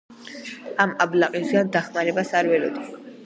ამ აბლაყისგან დახმარებას არ ველოდი.